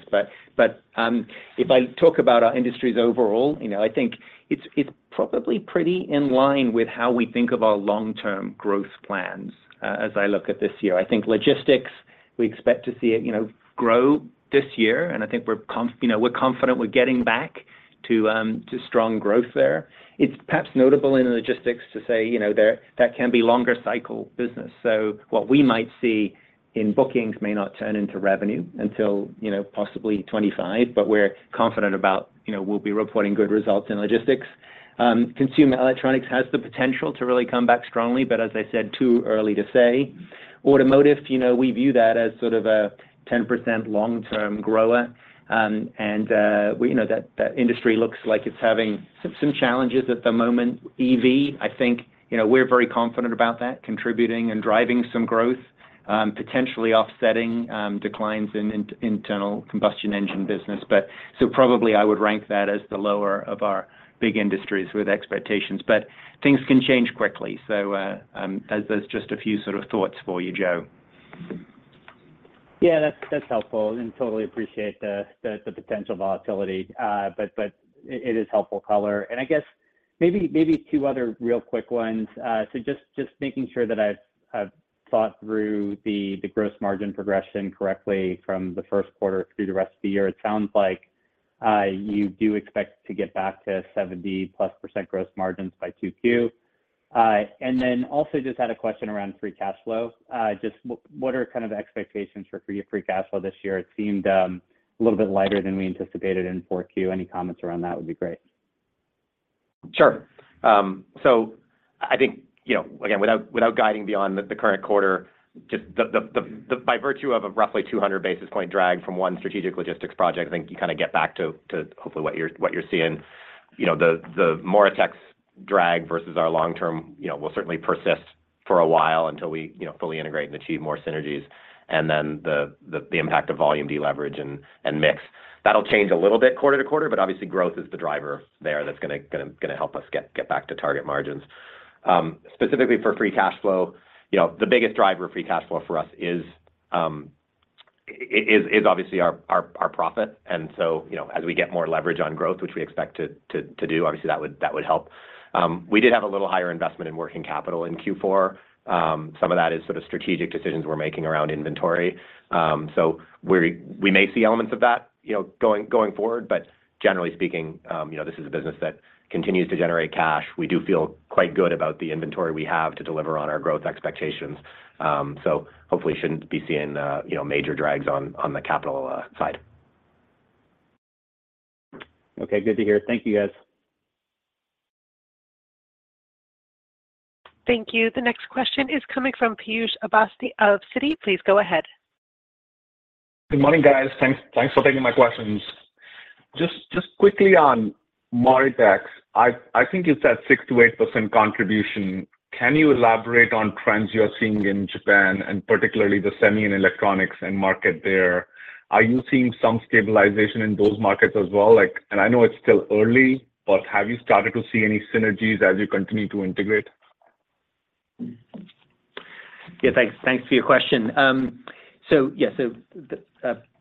If I talk about our industries overall, I think it's probably pretty in line with how we think of our long-term growth plans as I look at this year. I think logistics, we expect to see it grow this year. I think we're confident we're getting back to strong growth there. It's perhaps notable in logistics to say that can be longer-cycle business. So what we might see in bookings may not turn into revenue until possibly 2025, but we're confident about we'll be reporting good results in logistics. Consumer electronics has the potential to really come back strongly, but as I said, too early to say. Automotive, we view that as sort of a 10% long-term grower. And that industry looks like it's having some challenges at the moment. EV, I think we're very confident about that, contributing and driving some growth, potentially offsetting declines in internal combustion engine business. So probably, I would rank that as the lower of our big industries with expectations. But things can change quickly. So there's just a few sort of thoughts for you, Joe. Yeah. That's helpful. And totally appreciate the potential volatility. But it is helpful color. And I guess maybe two other real quick ones. So just making sure that I've thought through the gross margin progression correctly from the first quarter through the rest of the year. It sounds like you do expect to get back to 70%+ gross margins by 2Q. And then also just had a question around free cash flow. Just what are kind of expectations for free cash flow this year? It seemed a little bit lighter than we anticipated in 4Q. Any comments around that would be great. Sure. So I think, again, without guiding beyond the current quarter, just by virtue of a roughly 200 basis point drag from one strategic logistics project, I think you kind of get back to hopefully what you're seeing. The Moritex drag versus our long-term will certainly persist for a while until we fully integrate and achieve more synergies. And then the impact of volume deleverage and mix, that'll change a little bit quarter to quarter, but obviously, growth is the driver there that's going to help us get back to target margins. Specifically for free cash flow, the biggest driver of free cash flow for us is obviously our profit. And so as we get more leverage on growth, which we expect to do, obviously, that would help. We did have a little higher investment in working capital in Q4. Some of that is sort of strategic decisions we're making around inventory. So we may see elements of that going forward. But generally speaking, this is a business that continues to generate cash. We do feel quite good about the inventory we have to deliver on our growth expectations. So hopefully, shouldn't be seeing major drags on the capital side. Okay. Good to hear. Thank you, guys. Thank you. The next question is coming from Piyush Avasthy of Citi. Please go ahead. Good morning, guys. Thanks for taking my questions. Just quickly on Moritex, I think you said 6%-8% contribution. Can you elaborate on trends you are seeing in Japan, and particularly the semi and electronics end market there? Are you seeing some stabilization in those markets as well? And I know it's still early, but have you started to see any synergies as you continue to integrate? Yeah. Thanks for your question. So yeah, so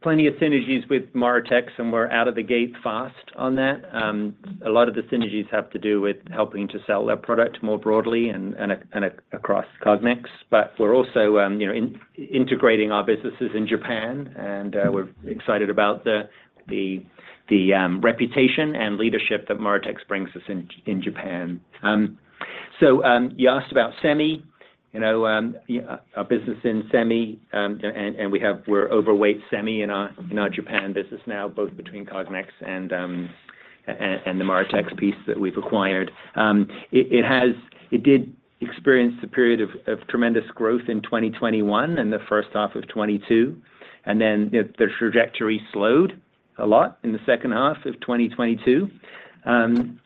plenty of synergies with Moritex, and we're out of the gate fast on that. A lot of the synergies have to do with helping to sell that product more broadly and across Cognex. But we're also integrating our businesses in Japan, and we're excited about the reputation and leadership that Moritex brings us in Japan. So you asked about semi. Our business in semi, and we're overweight semi in our Japan business now, both between Cognex and the Moritex piece that we've acquired. It did experience a period of tremendous growth in 2021 and the first half of 2022. And then the trajectory slowed a lot in the second half of 2022. And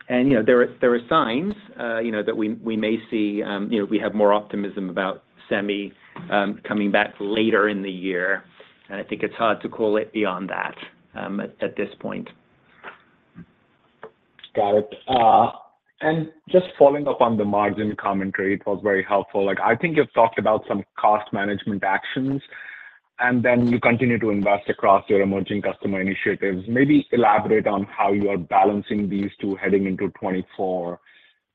there are signs that we may see we have more optimism about semi coming back later in the year. I think it's hard to call it beyond that at this point. Got it. And just following up on the margin commentary, it was very helpful. I think you've talked about some cost management actions, and then you continue to invest across your emerging customer initiatives. Maybe elaborate on how you are balancing these two heading into 2024.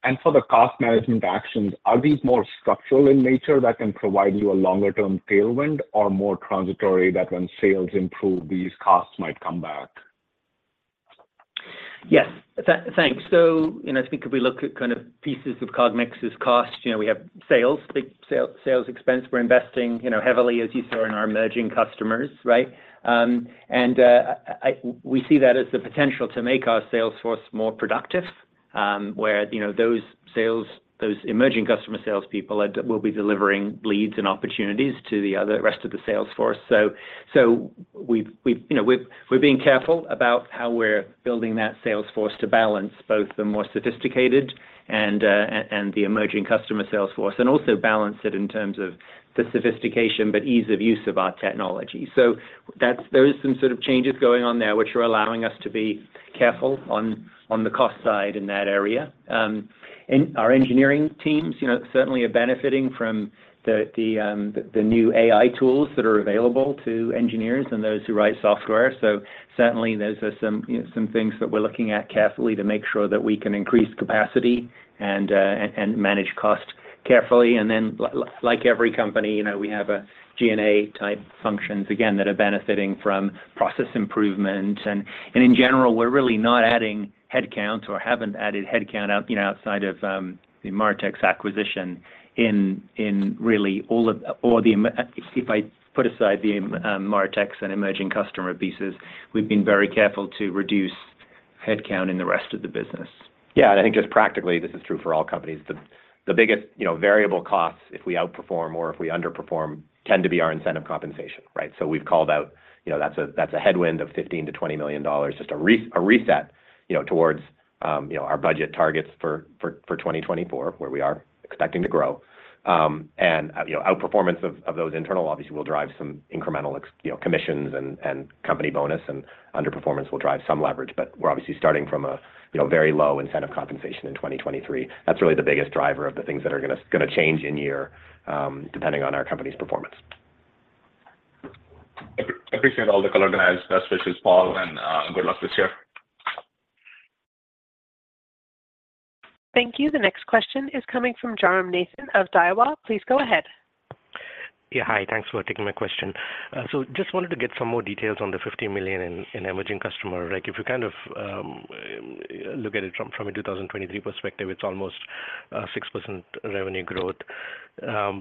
And for the cost management actions, are these more structural in nature that can provide you a longer-term tailwind or more transitory that when sales improve, these costs might come back? Yes. Thanks. So I think if we look at kind of pieces of Cognex's costs, we have sales, big sales expense. We're investing heavily, as you saw, in our emerging customers, right? And we see that as the potential to make our sales force more productive, where those emerging customer salespeople will be delivering leads and opportunities to the rest of the sales force. So we're being careful about how we're building that sales force to balance both the more sophisticated and the emerging customer sales force and also balance it in terms of the sophistication but ease of use of our technology. So there are some sort of changes going on there which are allowing us to be careful on the cost side in that area. And our engineering teams certainly are benefiting from the new AI tools that are available to engineers and those who write software. So certainly, those are some things that we're looking at carefully to make sure that we can increase capacity and manage cost carefully. And then, like every company, we have G&A-type functions, again, that are benefiting from process improvement. And in general, we're really not adding headcount or haven't added headcount outside of the Moritex acquisition in really all of or if I put aside the Moritex and emerging customer pieces, we've been very careful to reduce headcount in the rest of the business. Yeah. And I think just practically, this is true for all companies. The biggest variable costs, if we outperform or if we underperform, tend to be our incentive compensation, right? So we've called out that's a headwind of $15 million-$20 million, just a reset towards our budget targets for 2024, where we are expecting to grow. And outperformance of those internal, obviously, will drive some incremental commissions and company bonus, and underperformance will drive some leverage. But we're obviously starting from a very low incentive compensation in 2023. That's really the biggest driver of the things that are going to change in year depending on our company's performance. Appreciate all the color guidance, as always, Paul, and good luck this year. Thank you. The next question is coming from Jairam Nathan of Daiwa. Please go ahead. Yeah. Hi. Thanks for taking my question. So just wanted to get some more details on the $50 million in emerging customer, right? If you kind of look at it from a 2023 perspective, it's almost 6% revenue growth.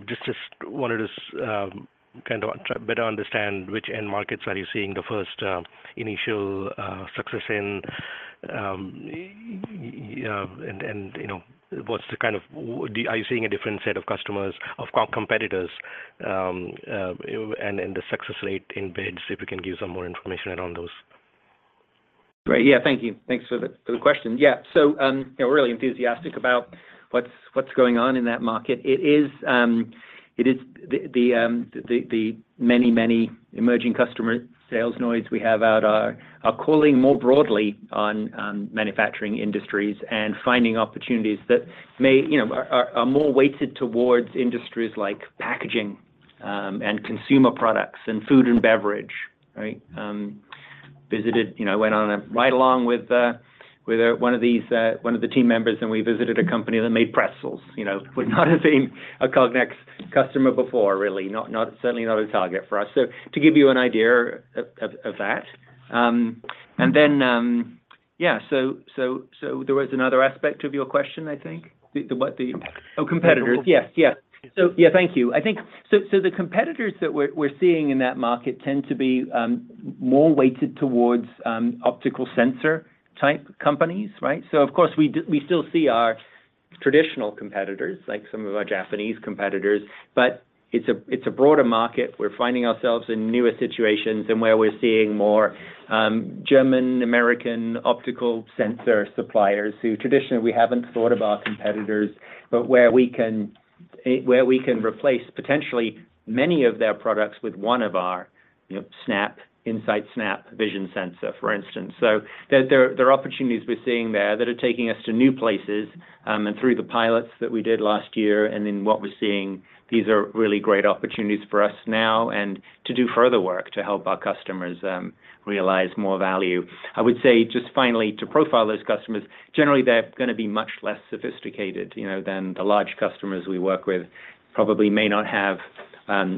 Just wanted to kind of better understand which end markets are you seeing the first initial success in? And what's the kind of are you seeing a different set of customers, of competitors, and the success rate in bids, if you can give some more information around those? Great. Yeah. Thank you. Thanks for the question. Yeah. So we're really enthusiastic about what's going on in that market. It is the many, many emerging customer sales noids we have out. Our calling more broadly on manufacturing industries and finding opportunities that may are more weighted towards industries like packaging and consumer products and food and beverage, right? Went right along with one of the team members, and we visited a company that made pretzels. Would not have been a Cognex customer before, really. Certainly not a target for us. So to give you an idea of that. And then, yeah, so there was another aspect of your question, I think. Oh, competitors. Yes. Yes. So yeah, thank you. So the competitors that we're seeing in that market tend to be more weighted towards optical sensor-type companies, right? So of course, we still see our traditional competitors, like some of our Japanese competitors, but it's a broader market. We're finding ourselves in newer situations and where we're seeing more German, American optical sensor suppliers who traditionally we haven't thought of our competitors, but where we can replace potentially many of their products with one of our In-Sight SnAPP Vision Sensor, for instance. So there are opportunities we're seeing there that are taking us to new places. And through the pilots that we did last year and in what we're seeing, these are really great opportunities for us now and to do further work to help our customers realize more value. I would say just finally, to profile those customers, generally, they're going to be much less sophisticated than the large customers we work with probably may not have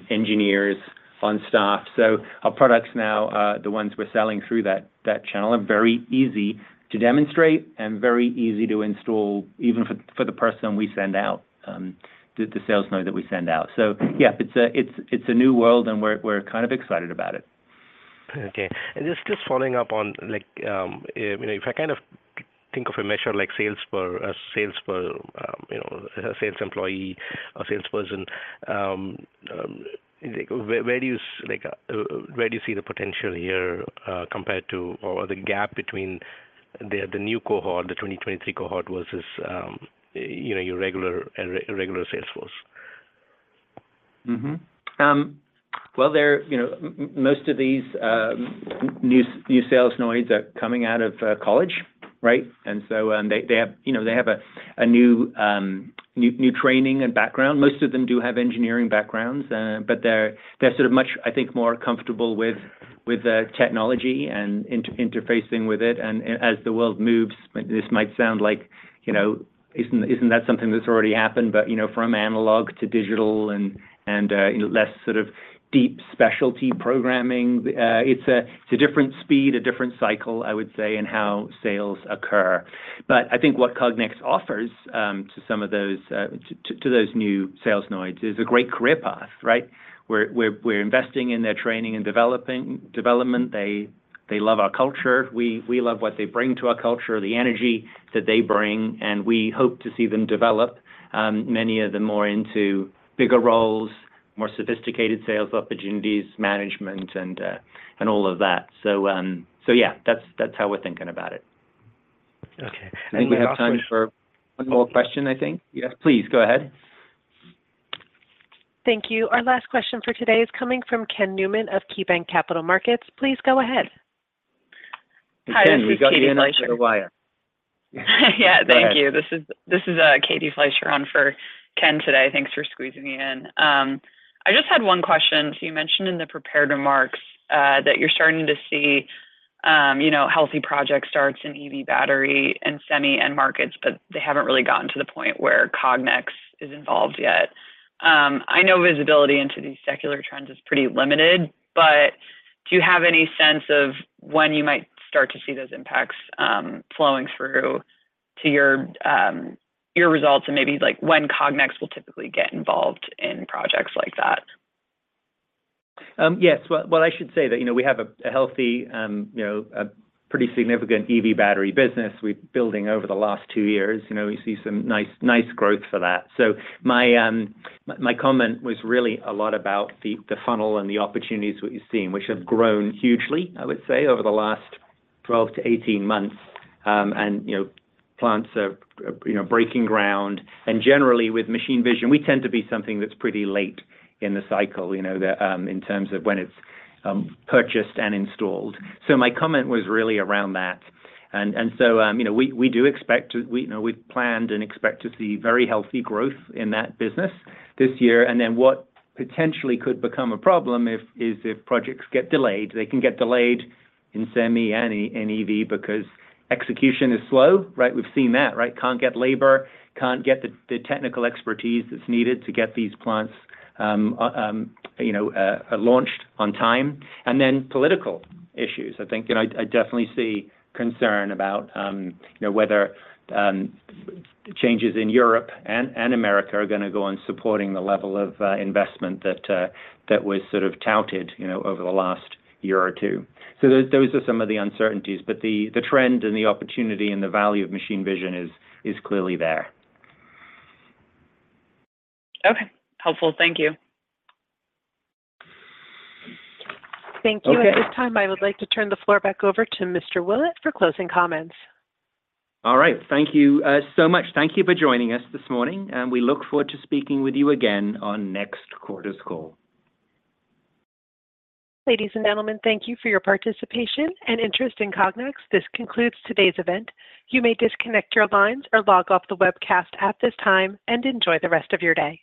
engineers on staff. So our products now, the ones we're selling through that channel, are very easy to demonstrate and very easy to install even for the person we send out, the sales rep that we send out. So yeah, it's a new world, and we're kind of excited about it. Okay. Just following up on if I kind of think of a measure like sales for a sales employee or salesperson, where do you see the potential here compared to or the gap between the new cohort, the 2023 cohort, versus your regular salesforce? Well, most of these new sales hires are coming out of college, right? And so they have a new training and background. Most of them do have engineering backgrounds, but they're sort of much, I think, more comfortable with technology and interfacing with it. And as the world moves, this might sound like isn't that something that's already happened, but from analog to digital and less sort of deep specialty programming, it's a different speed, a different cycle, I would say, in how sales occur. But I think what Cognex offers to some of those new sales hires is a great career path, right? We're investing in their training and development. They love our culture. We love what they bring to our culture, the energy that they bring. We hope to see them develop many of them more into bigger roles, more sophisticated sales opportunities, management, and all of that. Yeah, that's how we're thinking about it. Okay. I think we have time for one more question, I think. Yes, please. Go ahead. Thank you. Our last question for today is coming from Ken Newman of KeyBanc Capital Markets. Please go ahead. Hi. We've got you in on Katie Fleischer's line. Yeah. Thank you. This is Katie Fleischer on for Ken today. Thanks for squeezing me in. I just had one question. So you mentioned in the prepared remarks that you're starting to see healthy project starts in EV battery and semi end markets, but they haven't really gotten to the point where Cognex is involved yet. I know visibility into these secular trends is pretty limited, but do you have any sense of when you might start to see those impacts flowing through to your results and maybe when Cognex will typically get involved in projects like that? Yes. Well, I should say that we have a healthy, pretty significant EV battery business we've been building over the last two years. We see some nice growth for that. So my comment was really a lot about the funnel and the opportunities we're seeing, which have grown hugely, I would say, over the last 12-18 months. And plants are breaking ground. And generally, with machine vision, we tend to be something that's pretty late in the cycle in terms of when it's purchased and installed. So my comment was really around that. And so we've planned and expect to see very healthy growth in that business this year. And then what potentially could become a problem is if projects get delayed. They can get delayed in semi and EV because execution is slow, right? We've seen that, right? Can't get labor, can't get the technical expertise that's needed to get these plants launched on time. And then political issues. I think I definitely see concern about whether changes in Europe and America are going to go on supporting the level of investment that was sort of touted over the last year or two. So those are some of the uncertainties. But the trend and the opportunity and the value of machine vision is clearly there. Okay. Helpful. Thank you. Thank you. At this time, I would like to turn the floor back over to Mr. Willett for closing comments. All right. Thank you so much. Thank you for joining us this morning. We look forward to speaking with you again on next quarter's call. Ladies and gentlemen, thank you for your participation and interest in Cognex. This concludes today's event. You may disconnect your lines or log off the webcast at this time and enjoy the rest of your day.